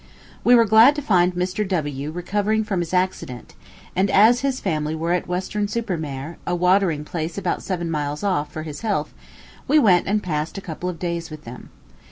We were glad to find Mr. W recovering from his accident; and as the family were at Western Super Mare, a watering place about seven miles off, for his health, we went and passed a couple of days with them.